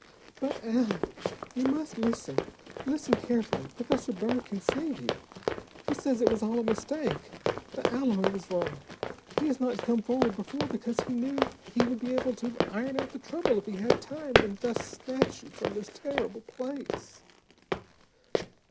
"But Allen, you must listen, listen carefully. Professor Burr can save you. He says it was all a mistake, the alloy was wrong. He has not come forward before, because he knew he would be able to iron out the trouble if he had time, and thus snatch you from this terrible place."